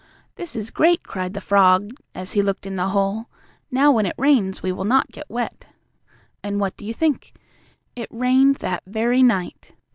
"This is great!" cried the frog, as he looked in the hole. "Now when it rains we will not get wet." And, what do you think! It rained that very night.